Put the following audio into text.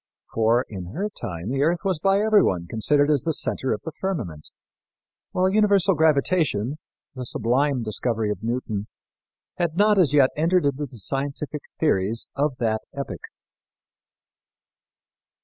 For, in her time, the earth was by everyone considered as the center of the firmament, while universal gravitation the sublime discovery of Newton had not as yet entered into the scientific theories of that epoch.